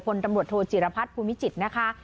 พลตำรวจโทจิรพัฒน์ภูมิจิตรนะคะ